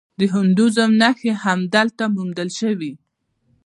د هندویزم نښې هم دلته موندل شوي